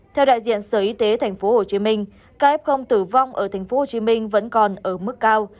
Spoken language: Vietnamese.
theo đại diện sở y tế tp hcm caf tử vong ở tp hcm vẫn còn ở mức cao